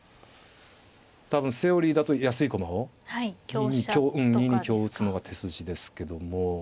多分セオリーだと安い駒を２二香打つのが手筋ですけども。